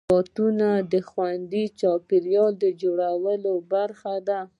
روبوټونه د خوندي چاپېریال د جوړولو برخه دي.